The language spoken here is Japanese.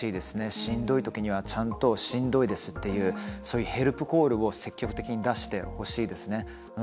しんどいときにはちゃんと、しんどいですっていうそういうヘルプコールを積極的に出してほしいですね。